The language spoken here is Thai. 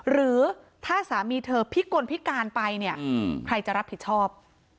หรือถ้าสามีเธอพิกลพิการไปเนี่ยใครจะรับผิดชอบ